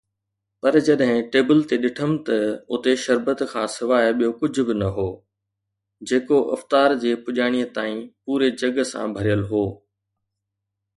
پر جڏهن ٽيبل تي ڏٺم ته اتي شربت کان سواءِ ٻيو ڪجهه به نه هو، جيڪو افطار جي پڄاڻيءَ تائين پوري جڳ سان ڀريل هو.